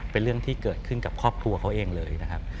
เป็นเรื่องที่เกิดขึ้นกับครอบครัวเขาเองเลยนะครับ